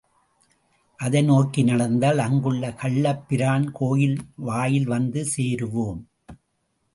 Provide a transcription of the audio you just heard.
அதை நோக்கி நடந்தால் அங்குள்ள கள்ளப்பிரான் கோயில் வாயில் வந்து சேருவோம்.